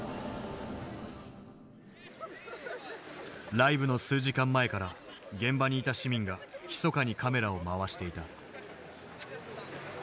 ライブの数時間前から現場にいた市民がひそかにカメラを回していた。